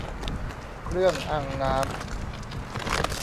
เครื่องอังน้ำ